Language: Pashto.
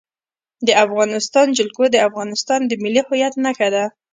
د افغانستان جلکو د افغانستان د ملي هویت نښه ده.